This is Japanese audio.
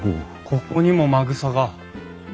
ここにもまぐさが。